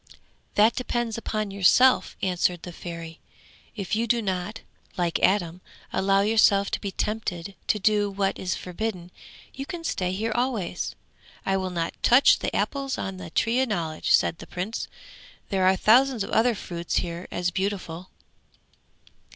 'That depends upon yourself,' answered the Fairy. 'If you do not, like Adam, allow yourself to be tempted to do what is forbidden, you can stay here always.' 'I will not touch the apples on the Tree of Knowledge,' said the Prince. 'There are thousands of other fruits here as beautiful.'